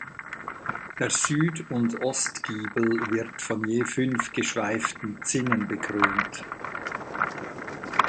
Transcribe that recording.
Der Süd- und Ostgiebel wird von je fünf geschweiften Zinnen bekrönt.